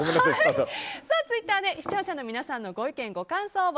ツイッターで視聴者の皆さんのご意見、ご感想を